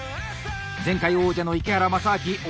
前回王者の池原大烈